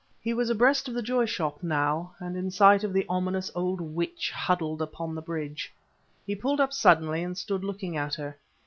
He was abreast of the Joy Shop now, and in sight of the ominous old witch huddled upon the bridge. He pulled up suddenly and stood looking at her.